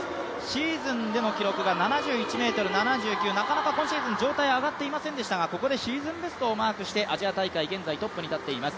シーズンでの記録が７１ｍ７９、なかなか今シーズン、状態が上がっていませんでしたが、ここでシーズンベストをマークしてアジア大会現在トップに立っています。